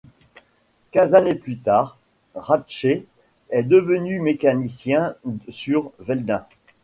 Quinze ans plus tard, Ratchet est devenu mécanicien sur Veldin.